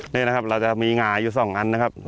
นี่นะครับเราจะมีหงาอยู่๒อันนะครับ